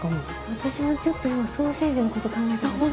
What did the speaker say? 私もちょっと今ソーセージのこと考えてました。